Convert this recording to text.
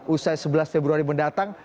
usai sebelas februari mendatang